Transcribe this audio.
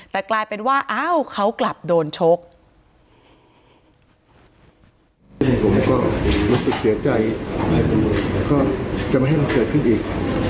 แต่กลายเป็นว่าเขากลับโดนโชค